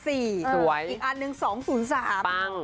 อีกอันหนึ่ง๒๐๓